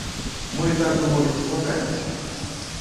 Мы так бы мовіць вагаемся.